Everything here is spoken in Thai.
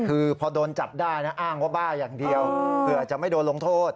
คือพอโดนจับได้นะอ้างว่าบ้าอย่างเดียวเผื่อจะไม่โดนลงโทษ